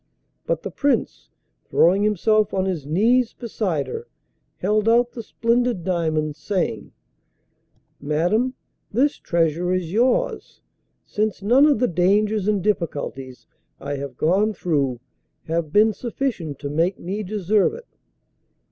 But the Prince, throwing himself on his knees beside her, held out the splendid diamond, saying: 'Madam, this treasure is yours, since none of the dangers and difficulties I have gone through have been sufficient to make me deserve it.